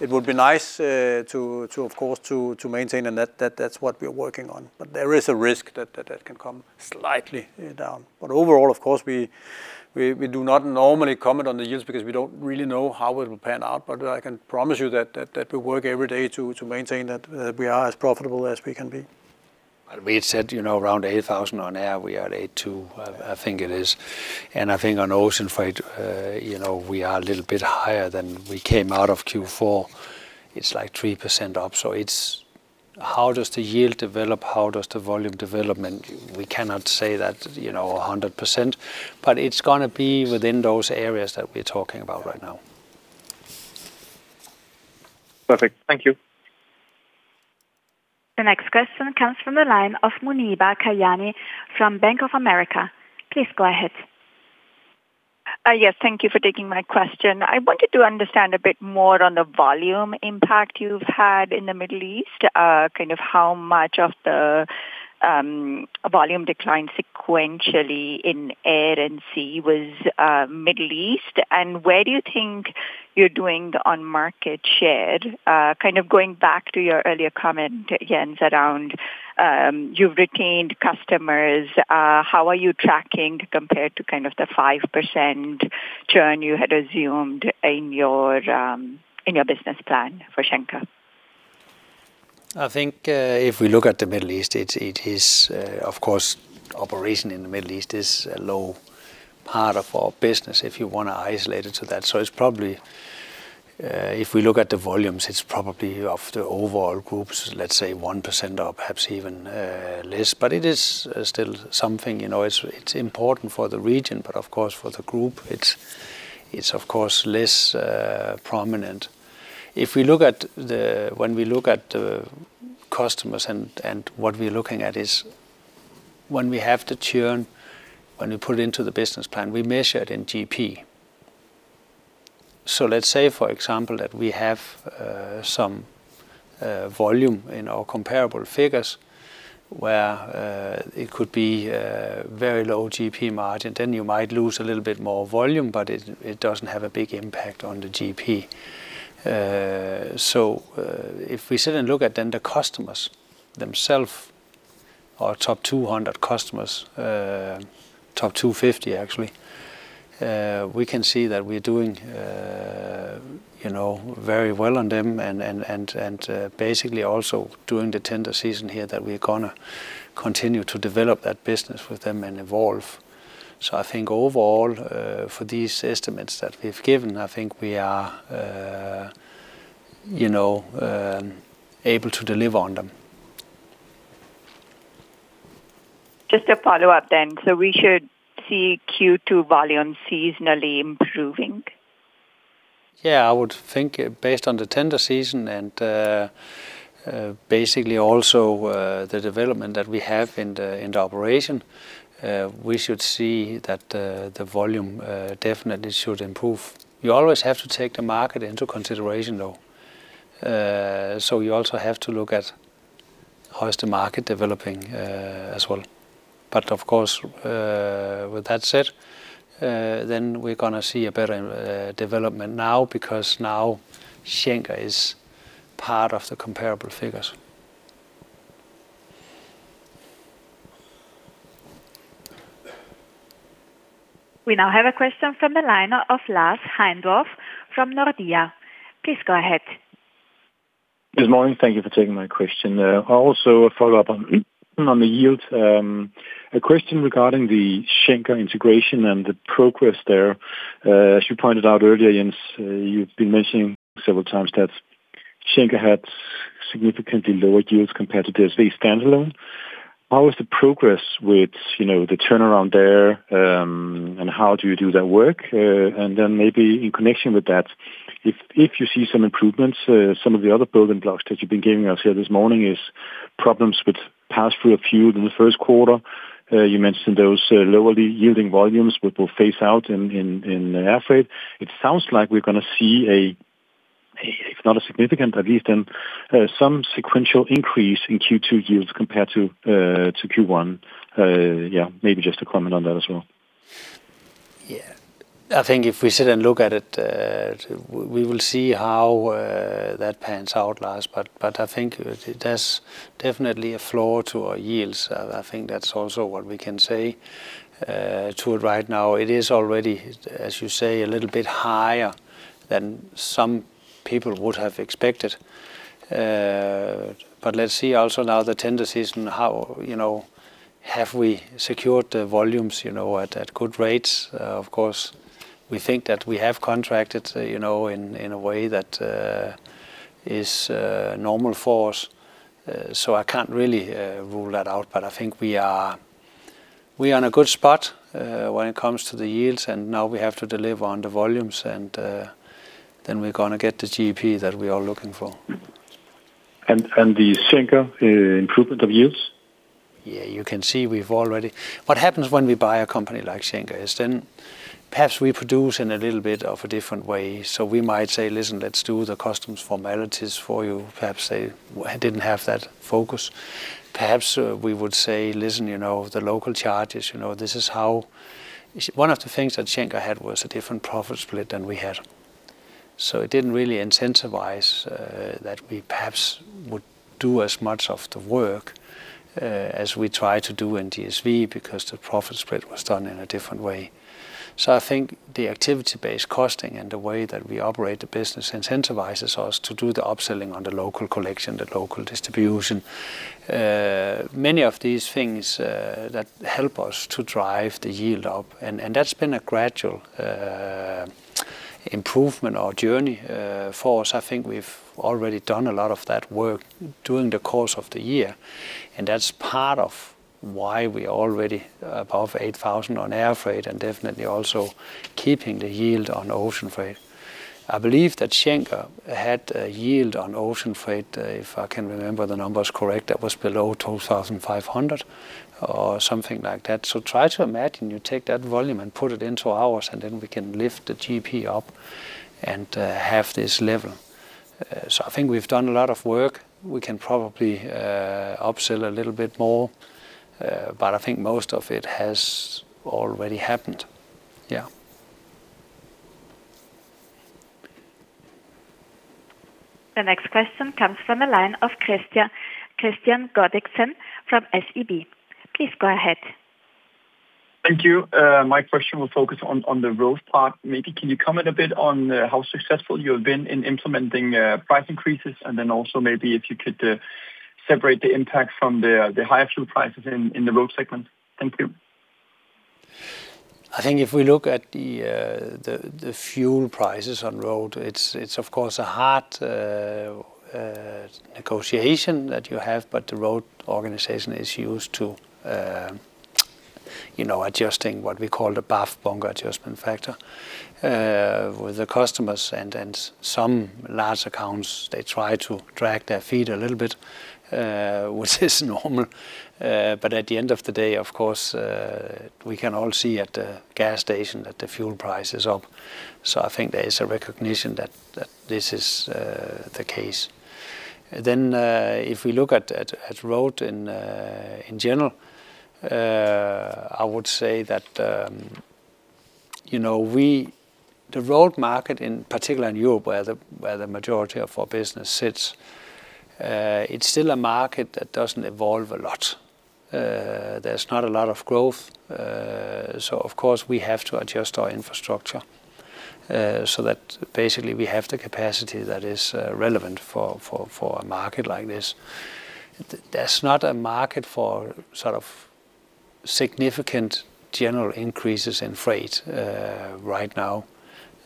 It would be nice, to, of course, to maintain, and that's what we're working on. There is a risk that can come slightly down. Overall, of course, we do not normally comment on the yields because we don't really know how it will pan out, but I can promise you that we work every day to maintain that we are as profitable as we can be. We had said, you know, around 8,000 on air. We are at 82, I think it is. I think on ocean freight, you know, we are a little bit higher than we came out of Q4. It is like 3% up. It is how does the yield develop? How does the volume development? We cannot say that, you know, 100%, but it is going to be within those areas that we are talking about right now. Perfect. Thank you. The next question comes from the line of Muneeba Kayani from Bank of America. Please go ahead. Yes, thank you for taking my question. I wanted to understand a bit more on the volume impact you've had in the Middle East. Kind of how much of the volume decline sequentially in Air & Sea was Middle East. Where do you think you're doing on market share? Kind of going back to your earlier comment, Jens, around you've retained customers. How are you tracking compared to kind of the 5% churn you had assumed in your in your business plan for Schenker? I think, if we look at the Middle East, it is, of course, operation in the Middle East is a low part of our business, if you wanna isolate it to that. It's probably, if we look at the volumes, it's probably of the overall groups, let's say 1% or perhaps even less. It is still something, you know, it's important for the region, but of course for the group, it's of course less prominent. If we look at the when we look at the customers and what we're looking at is when we have the churn, when we put into the business plan, we measure it in GP. Let's say, for example, that we have some volume in our comparable figures where it could be very low GP margin, then you might lose a little bit more volume, but it doesn't have a big impact on the GP. If we sit and look at then the customers themselves, our top 200 customers, top 250 actually, we can see that we're doing, you know, very well on them and basically also during the tender season here that we're gonna continue to develop that business with them and evolve. I think overall, for these estimates that we've given, I think we are, you know, able to deliver on them. Just a follow-up. We should see Q2 volume seasonally improving? Yeah, I would think based on the tender season and basically also the development that we have in the operation, we should see that the volume definitely should improve. You always have to take the market into consideration, though. You also have to look at how is the market developing as well. Of course, with that said, we're gonna see a better development now because now Schenker is part of the comparable figures. We now have a question from the line of Lars Heindorff from Nordea. Please go ahead. Good morning. Thank you for taking my question. Also a follow-up on the yield. A question regarding the Schenker integration and the progress there. As you pointed out earlier, Jens, you've been mentioning several times that Schenker had significantly lower yields compared to DSV standalone. How is the progress with, you know, the turnaround there, and how do you do that work? Then maybe in connection with that, if you see some improvements, some of the other building blocks that you've been giving us here this morning is problems with pass-through effect in the first quarter. You mentioned those lowly yielding volumes which will phase out in Air Freight. It sounds like we're gonna see a, if not a significant, at least some sequential increase in Q2 yields compared to Q1. Yeah, maybe just a comment on that as well. I think if we sit and look at it, we will see how that pans out, Lars. I think there's definitely a floor to our yields. I think that's also what we can say to it right now. It is already, as you say, a little bit higher than some people would have expected. Let's see also now the tender season, how, you know, have we secured the volumes, you know, at good rates. We think that we have contracted, you know, in a way that is normal for us. I can't really rule that out, but I think we are in a good spot when it comes to the yields. Now we have to deliver on the volumes, then we're gonna get the GP that we are looking for. The Schenker improvement of yields? Yeah. You can see. What happens when we buy a company like Schenker is then perhaps we produce in a little bit of a different way. We might say, Listen, let's do the customs formalities for you. Perhaps they didn't have that focus. Perhaps we would say, Listen you know the local chart you know this is how... One of the things that Schenker had was a different profit split than we had. It didn't really incentivize that we perhaps would do as much of the work as we try to do in DSV because the profit split was done in a different way. I think the activity-based costing and the way that we operate the business incentivizes us to do the upselling on the local collection, the local distribution. Many of these things that help us to drive the yield up, and that's been a gradual improvement or journey for us. I think we've already done a lot of that work during the course of the year. That's part of why we already above 8,000 on Air Freight and definitely also keeping the yield on Ocean Freight. I believe that Schenker had a yield on Ocean Freight, if I can remember the numbers correct, that was below 2,500 or something like that. Try to imagine you take that volume and put it into ours, and then we can lift the GP up and have this level. I think we've done a lot of work. We can probably upsell a little bit more, but I think most of it has already happened. Yeah. The next question comes from the line of Christian Guldberg from SEB. Please go ahead. Thank you. My question will focus on the Road part. Maybe can you comment a bit on how successful you have been in implementing price increases? Also maybe if you could separate the impact from the higher fuel prices in the Road segment. Thank you. I think if we look at the fuel prices on Road, it's of course a hard negotiation that you have. The Road organization is used to, you know, adjusting what we call the BAF, Bunker Adjustment Factor with the customers. Some large accounts, they try to drag their feet a little bit, which is normal. At the end of the day, of course, we can all see at the gas station that the fuel price is up. I think there is a recognition that this is the case. If we look at Road in general, I would say that, you know. The road market, in particular in Europe where the majority of our business sits, it's still a market that doesn't evolve a lot. There's not a lot of growth. Of course we have to adjust our infrastructure, so that basically we have the capacity that is relevant for a market like this. There's not a market for sort of significant general increases in freight right now.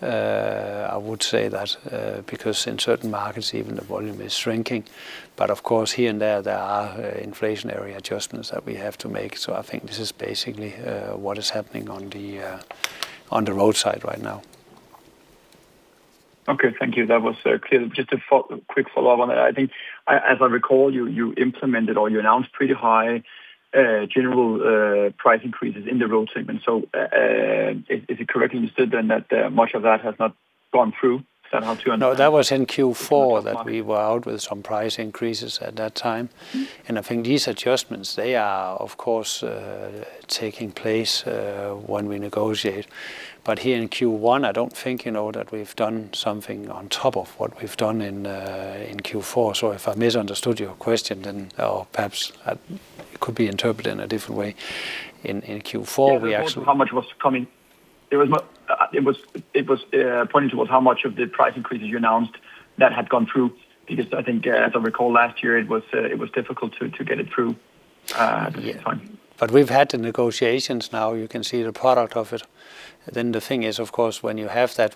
I would say that because in certain markets even the volume is shrinking. Of course, here and there are inflationary adjustments that we have to make. I think this is basically what is happening on the Road side right now. Okay. Thank you. That was clear. Just a quick follow-up on that. I think as I recall, you implemented or you announced pretty high general price increases in the Road segment. Is it correct understood then that much of that has not gone through? Is that how to understand? No, that was in Q4 that we were out with some price increases at that time. I think these adjustments, they are of course taking place when we negotiate. Here in Q1, I don't think, you know, that we've done something on top of what we've done in Q4. If I misunderstood your question then or perhaps I could be interpreted in a different way. In Q4 we actually. How much was coming. It was pointing towards how much of the price increases you announced that had gone through. I think, as I recall last year, it was difficult to get it through at the time. Yeah. We've had the negotiations now. You can see the product of it. The thing is, of course, when you have that,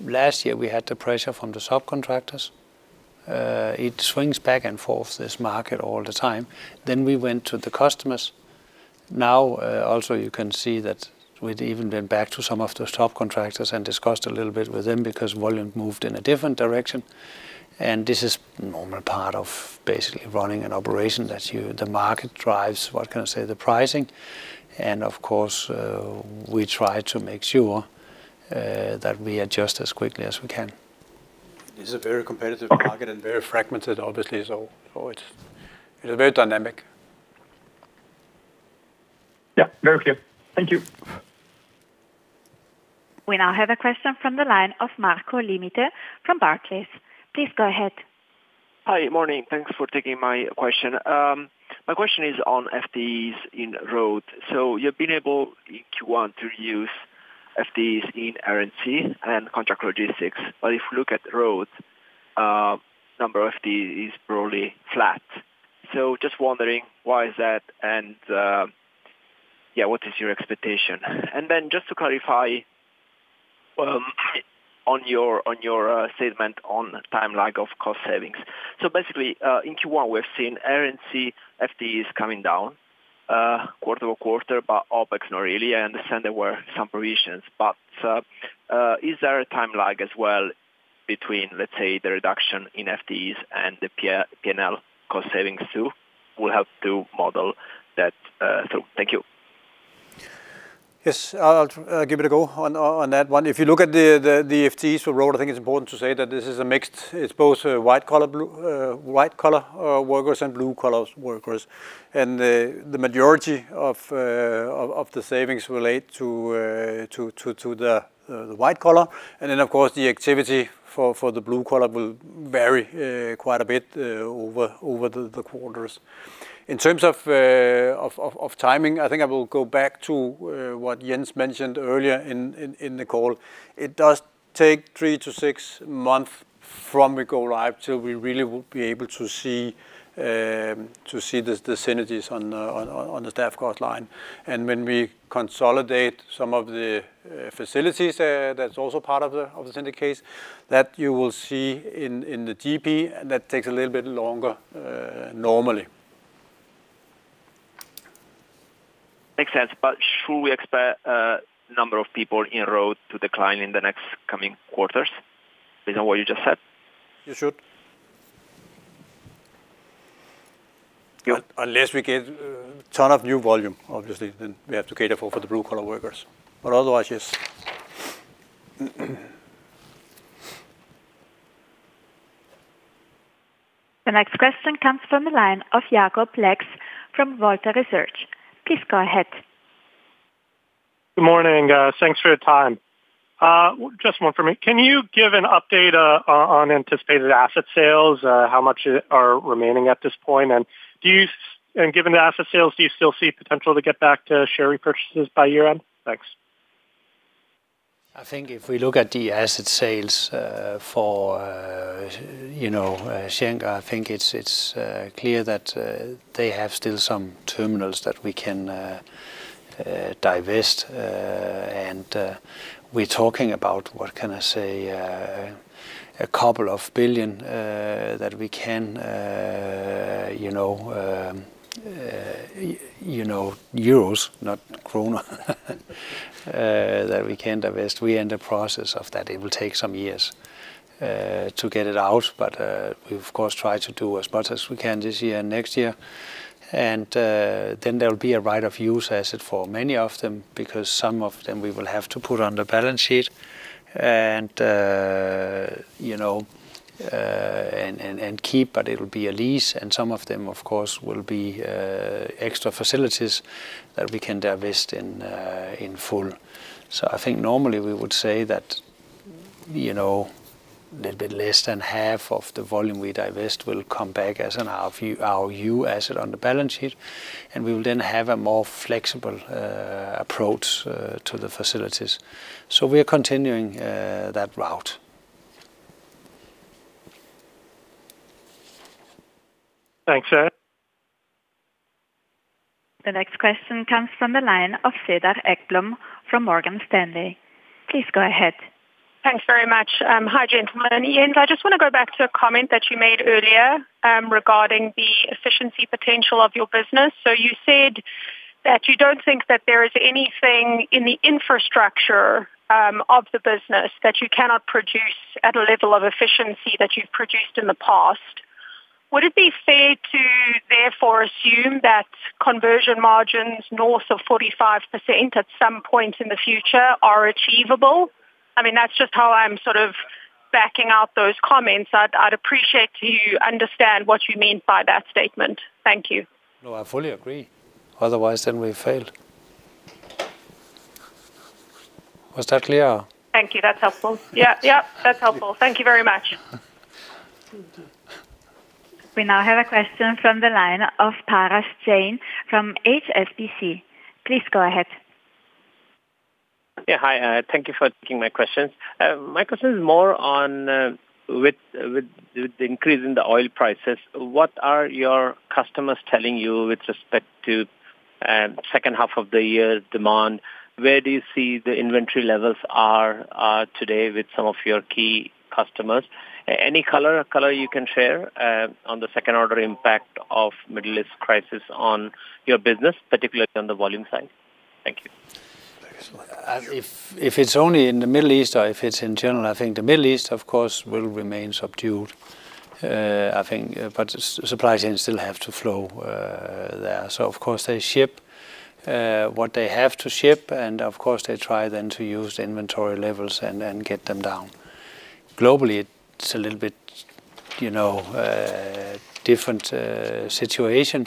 Last year we had the pressure from the subcontractors. It swings back and forth, this market, all the time. We went to the customers. Now, also you can see that we've even been back to some of those subcontractors and discussed a little bit with them because volume moved in a different direction. This is normal part of basically running an operation. The market drives, what can I say, the pricing. Of course, we try to make sure that we adjust as quickly as we can. It is a very competitive market and very fragmented obviously. It is very dynamic. Yeah, very clear. Thank you. We now have a question from the line of Marco Limite from Barclays. Please go ahead. Hi. Morning. Thanks for taking my question. My question is on FTEs in Road. You've been able in Q1 to use FTEs in Air & Sea and contract logistics. If you look at Road, number of FTEs is broadly flat. Just wondering why is that, and what is your expectation? Just to clarify, on your statement on timeline of cost savings. Basically, in Q1, we're seeing Air & Sea FTEs coming down quarter-over-quarter, but OpEx not really. I understand there were some provisions, is there a time lag as well between, let's say, the reduction in FTEs and the P&L cost savings too? Will help to model that too. Thank you. Yes. I'll give it a go on that one. If you look at the FTEs for Road, I think it's important to say that this is a mixed. It's both white collar workers and blue collar workers. The majority of the savings relate to the white collar. Then of course the activity for the blue collar will vary quite a bit over the quarters. In terms of timing, I think I will go back to what Jens mentioned earlier in the call. It does take three to six months from we go live till we really will be able to see the synergies on the staff cost line. When we consolidate some of the facilities, that's also part of the synergies that you will see in the GP that takes a little bit longer normally. Makes sense. Should we expect a number of people in Road to decline in the next coming quarters based on what you just said? You should. Yeah. Unless we get a ton of new volume, obviously, then we have to cater for the blue collar workers. Otherwise, yes. The next question comes from the line of Jacob Lex from Volta Research. Please go ahead. Good morning. Thanks for your time. Just one from me. Can you give an update on anticipated asset sales? How much are remaining at this point? Do you and given the asset sales, do you still see potential to get back to share repurchases by year-end? Thanks. I think if we look at the asset sales, for, you know, Schenker, I think it's clear that they have still some terminals that we can divest. We're talking about, what can I say? A couple of billion, that we can, you know, euros, not krona, that we can divest. We're in the process of that. It will take some years to get it out. We, of course, try to do as much as we can this year and next year. Then there'll be a right of use asset for many of them, because some of them we will have to put on the balance sheet and, you know, and keep, but it'll be a lease. Some of them, of course, will be extra facilities that we can divest in full. I think normally we would say that, you know, a little bit less than half of the volume we divest will come back as an our view asset on the balance sheet, and we will then have a more flexible approach to the facilities. We are continuing that route. Thanks, sir. The next question comes from the line of Cedar Ekblom from Morgan Stanley. Please go ahead. Thanks very much. Hi, gentlemen. I just wanna go back to a comment that you made earlier regarding the efficiency potential of your business. You said that you don't think that there is anything in the infrastructure of the business that you cannot produce at a level of efficiency that you've produced in the past. Would it be fair to therefore assume that conversion margins north of 45% at some point in the future are achievable? That's just how I'm sort of backing out those comments. I'd appreciate to understand what you mean by that statement. Thank you. No, I fully agree. Otherwise, we've failed. Was that clear? Thank you. That's helpful. Yeah, that's helpful. Thank you very much. We now have a question from the line of Parash Jain from HSBC. Please go ahead. Yeah, hi. Thank you for taking my questions. My question is more on with the increase in the oil prices, what are your customers telling you with respect to second half of the year demand? Where do you see the inventory levels are today with some of your key customers? Any color you can share on the second order impact of Middle East crisis on your business, particularly on the volume side? Thank you. Thanks so much. If it's only in the Middle East or if it's in general, I think the Middle East, of course, will remain subdued. I think supply chains still have to flow there. Of course, they ship what they have to ship, and of course, they try then to use the inventory levels and get them down. Globally, it's a little bit, you know, different situation.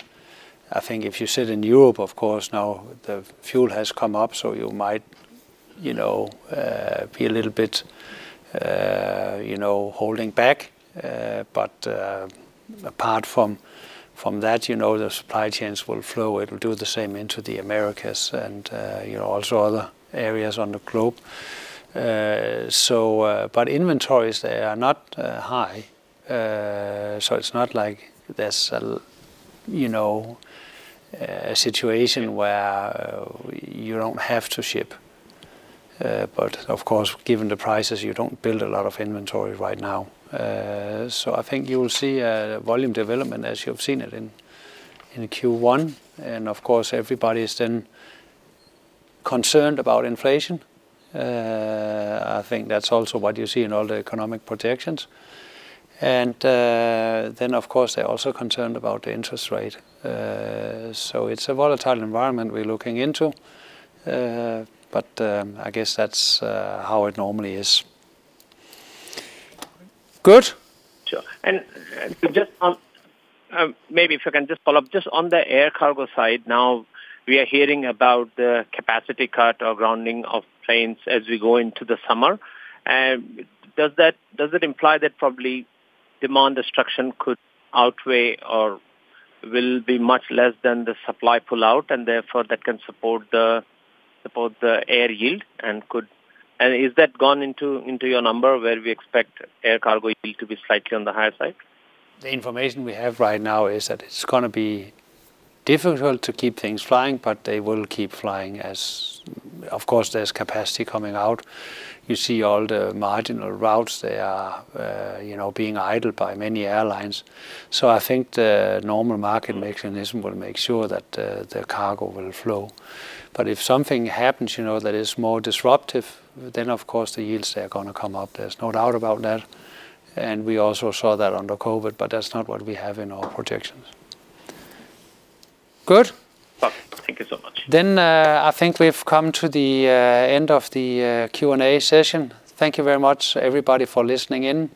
I think if you sit in Europe, of course, now the fuel has come up, so you might, you know, be a little bit, you know, holding back. Apart from that, you know, the supply chains will flow. It will do the same into the Americas and, you know, also other areas on the globe. Inventories, they are not high. It's not like there's a you know, a situation where you don't have to ship. Of course, given the prices, you don't build a lot of inventory right now. I think you will see volume development as you've seen it in Q1. Of course, everybody is then concerned about inflation. I think that's also what you see in all the economic projections. Of course, they're also concerned about the interest rate. It's a volatile environment we're looking into. I guess that's how it normally is. Good? Sure. Maybe if I can just follow up, just on the air cargo side now, we are hearing about the capacity cut or grounding of planes as we go into the summer. Does it imply that probably demand destruction could outweigh or will be much less than the supply pullout, and therefore that can support the air yield? Is that gone into your number where we expect air cargo yield to be slightly on the higher side? The information we have right now is that it's going to be difficult to keep things flying, but they will keep flying as Of course, there's capacity coming out. You see all the marginal routes, they are, you know, being idled by many airlines. I think the normal market mechanism will make sure that the cargo will flow. If something happens, you know, that is more disruptive, then of course the yields, they are going to come up. There's no doubt about that. We also saw that under COVID, but that's not what we have in our projections. Good? Well, thank you so much. I think we've come to the end of the Q&A session. Thank you very much, everybody, for listening in.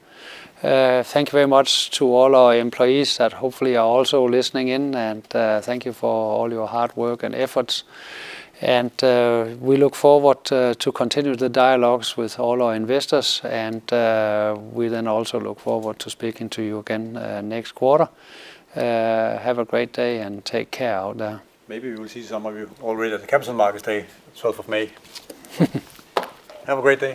Thank you very much to all our employees that hopefully are also listening in, thank you for all your hard work and efforts. We look forward to continue the dialogues with all our investors, we then also look forward to speaking to you again next quarter. Have a great day, and take care out there. Maybe we will see some of you already at the Capital Markets Day, May 12. Have a great day.